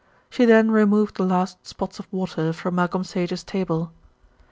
She then removed the last spots of water from Malcolm Sage's table.